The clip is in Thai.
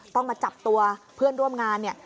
ต้องมาจับตัวเพื่อนร่วมงานเนี่ย